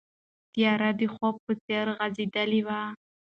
تیاره د خوب په څېر غځېدلې وه.